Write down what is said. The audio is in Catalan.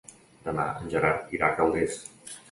Demà en Gerard irà a Calders.